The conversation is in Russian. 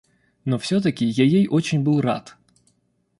Но всё-таки я ей очень был рад.